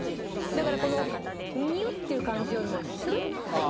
だからこの「ニュッ」っていう感じよりもシュルッて入っていく感じ。